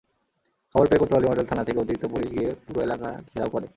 খবর পেয়ে কোতোয়ালি মডেল থানা থেকে অতিরিক্ত পুলিশ গিয়ে পুরো এলাকা ঘেরাও করে।